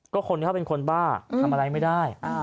ก็คนที่เขาเป็นคนบ้าทำอะไรไม่ได้